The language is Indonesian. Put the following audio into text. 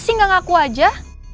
pasti gak ngaku aja